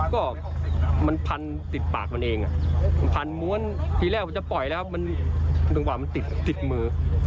ก็มันพันติดปากมันเองพันม้วนทีแรกจะปล่อยแล้วมันติดมือ